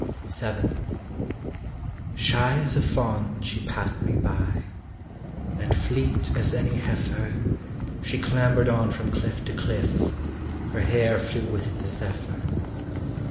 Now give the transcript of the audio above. VII. Shy as a fawn she passed me by; And, fleet as any heifer, She clambered on from cliff to cliff, Her hair flew with the zephyr.